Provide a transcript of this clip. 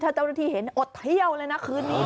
ถ้าเจ้าหน้าที่เห็นอดเที่ยวเลยนะคืนนี้